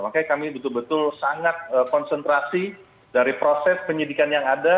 makanya kami betul betul sangat konsentrasi dari proses penyidikan yang ada